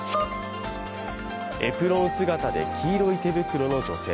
エプロン姿で黄色い手袋の女性。